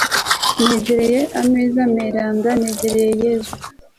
negera ameza meranda negere yezu